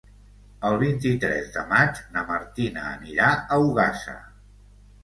El vint-i-tres de maig na Martina anirà a Ogassa.